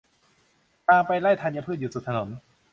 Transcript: ทางไปไร่ธัญพืชอยู่สุดถนน